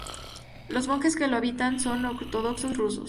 Los monjes que lo habitan son ortodoxos rusos.